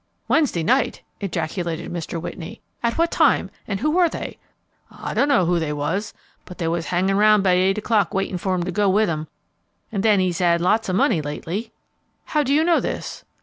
"Wednesday night!" ejaculated Mr. Whitney. "At what time? and who were they?" "I dunno who they was, but they was hangin' 'round about eight o'clock waitin' for him to go with 'em. An' then he's had lots of money lately." "How do you know this?"